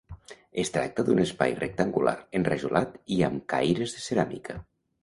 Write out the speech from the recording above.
Es tracta d'un espai rectangular, enrajolat i amb caires de ceràmica.